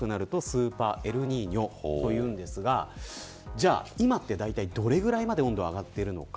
じゃあ今って大体どれぐらいまで温度が上がっているのか。